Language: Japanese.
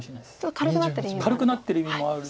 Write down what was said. ちょっと軽くなってる意味もあると。